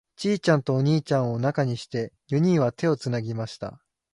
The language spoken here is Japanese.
ちいちゃんとお兄ちゃんを中にして、四人は手をつなぎました。